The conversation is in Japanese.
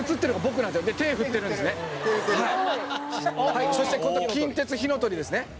「はいそして今度は近鉄ひのとりですね」